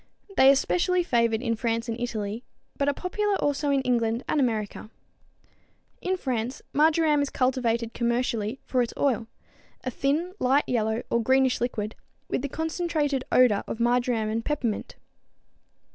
They are specially favored in France and Italy, but are popular also in England and America. In France marjoram is cultivated commercially for its oil, a thin, light yellow or greenish liquid, with the concentrated odor of marjoram and peppermint.